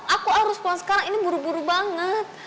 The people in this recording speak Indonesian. aku harus kalau sekarang ini buru buru banget